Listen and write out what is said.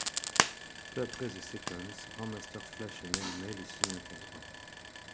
Peu après, The Sequence, Grandmaster Flash et Melle Mel y signent un contrat.